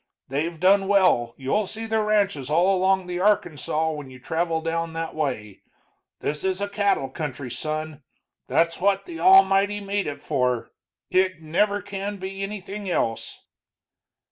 They've done well you'll see their ranches all along the Arkansaw when you travel down that way. This is a cattle country, son; that's what the Almighty made it for. It never can be anything else."